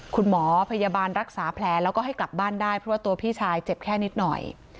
คุณหมอพยาบาลรักษาแผลแล้วก็ให้กลับบ้านได้เพราะว่าตัวพี่ชายเจ็บแค่นิดหน่อย